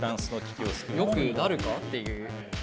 よくなるか？っていう。